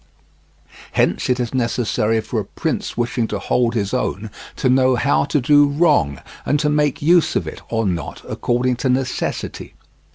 Hence it is necessary for a prince wishing to hold his own to know how to do wrong, and to make use of it or not according to necessity.